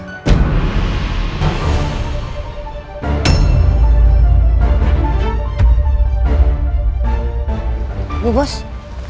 jangan lupa saksikan